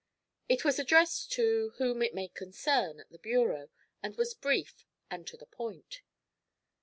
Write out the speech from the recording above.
It was addressed 'To whom it may concern,' at the bureau, and was brief and to the point.